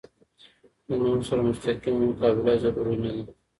د نورو سره مستقیمه مقابله ضروري نه ده.